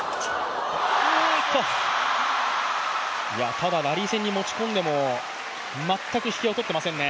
ただラリー戦に持子伝でも全く引けを取っていませんね。